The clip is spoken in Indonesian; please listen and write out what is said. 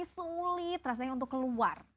sulit rasanya untuk keluar